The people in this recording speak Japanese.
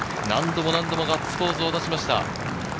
何度もガッツポーズを出しました。